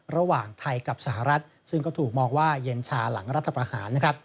ระหว่างไทยกับสหรัฐซึ่งก็ถูกมองว่าเย็นชาหลังรัฐประหารนะครับ